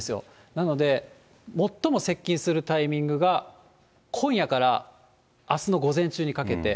なので、最も接近するタイミングが、今夜からあすの午前中にかけて。